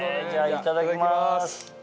いただきます。